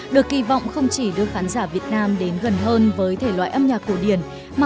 được kỳ vọng không chỉ đưa khán giả việt nam